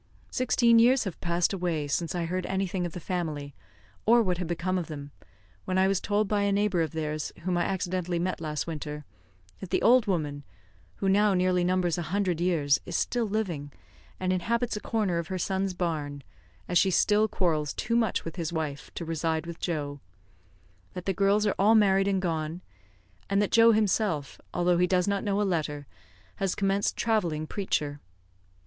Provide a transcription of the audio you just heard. Sixteen years have passed away since I heard anything of the family, or what had become of them, when I was told by a neighbour of theirs, whom I accidentally met last winter, that the old woman, who now nearly numbers a hundred years, is still living, and inhabits a corner of her son's barn, as she still quarrels too much with his wife to reside with Joe; that the girls are all married and gone; and that Joe himself, although he does not know a letter, has commenced travelling preacher.